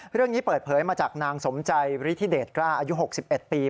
เรื่องนี้เปิดเผยมาจากนางสมใจฤทธิเดชกล้าอายุ๖๑ปี